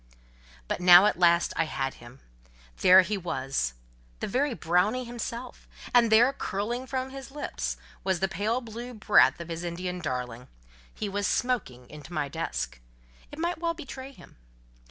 But now at last I had him: there he was—the very brownie himself; and there, curling from his lips, was the pale blue breath of his Indian darling: he was smoking into my desk: it might well betray him.